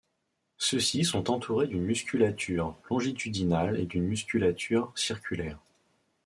Ceux-ci sont entourés d'une musculature longitudinale et d'une musculature circulaire.